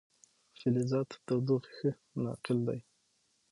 فلزات د تودوخې ښه ناقل دي.